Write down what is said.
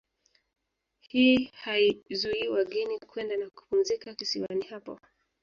Hii haizuii wageni kwenda na kupumzika kisiwani hapo